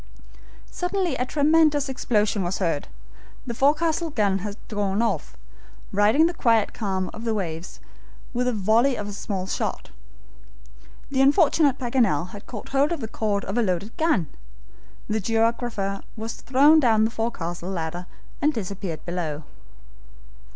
Suddenly a tremendous explosion was heard. The forecastle gun had gone off, riddling the quiet calm of the waves with a volley of small shot. The unfortunate Paganel had caught hold of the cord of the loaded gun. The geographer was thrown down the forecastle ladder and disappeared below.